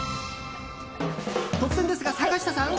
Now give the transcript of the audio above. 突然ですが坂下さん